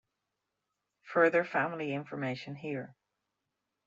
Further family information here.